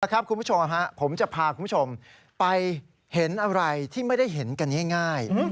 คุณผู้ชมผมจะพาคุณผู้ชมไปเห็นอะไรที่ไม่ได้เห็นกันง่าย